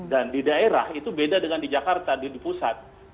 dan di daerah itu beda dengan di jakarta di pusat